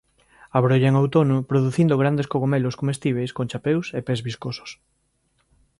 Abrolla en outono producindo grandes cogomelos comestíbeis con chapeus e pés viscosos.